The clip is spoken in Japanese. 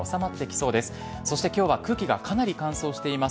そして今日は空気がかなり乾燥しています。